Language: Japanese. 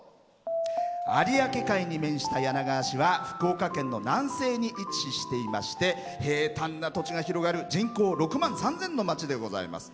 有明海に面した柳川市は福岡県の南西に位置していまして平たんな土地が広がる人口６万３０００の町でございます。